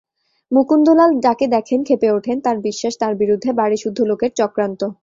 মুকুন্দলাল যাকে দেখেন খেপে ওঠেন, তাঁর বিশ্বাস তাঁর বিরুদ্ধে বাড়িসুদ্ধ লোকের চক্রান্ত।